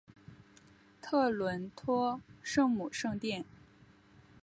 特伦托圣母圣殿。